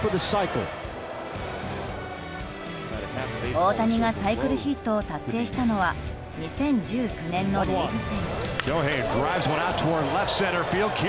大谷がサイクルヒットを達成したのは２０１９年のレイズ戦。